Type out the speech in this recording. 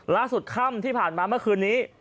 ล่าสุดค่ำที่ผ่านมาเมื่อคืนนี้